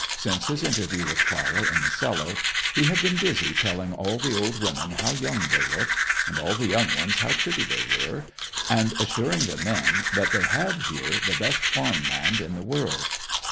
Since his interview with Clara in the cellar, he had been busy telling all the old women how young they looked, and all the young ones how pretty they were, and assuring the men that they had here the best farm land in the world.